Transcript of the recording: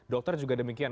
dokter juga demikian